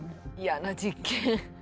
嫌な実験。